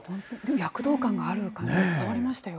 躍動感がある感じが伝わりましたよ。